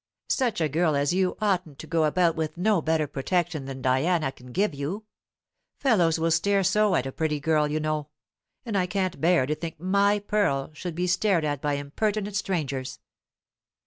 Such a girl as you oughtn't to go about with no better protection than Diana can give you. Fellows will stare so at a pretty girl, you know; and I can't bear to think my pearl should be stared at by impertinent strangers."